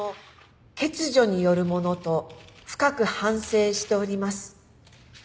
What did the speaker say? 欠如によるものと深く反省しております。